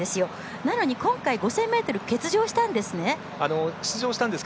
なのに今回５０００ｍ欠場したんですね。